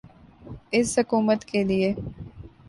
اس حکومت کیلئے۔